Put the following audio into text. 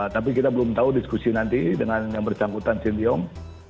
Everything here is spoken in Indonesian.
tapi kita belum tahu diskusi nanti dengan yang bersangkutan sintiong